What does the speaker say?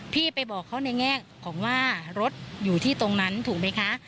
พี่ไปบอกเขาในแง่ของว่ารถอยู่ที่ตรงนั้นถูกไหมคะ